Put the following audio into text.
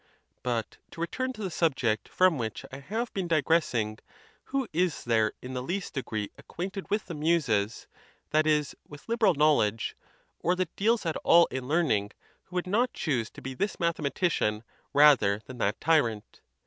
But to return to the subject from which I have been digressing. Who is there in the least degree acquainted with the Muses, that is, with lib eral knowledge, or that deals at all in learning, who would not choose to be this mathematician rather than that ty rant?